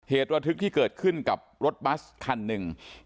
เหตุระทึกที่เกิดขึ้นกับรถบัสคันหนึ่ง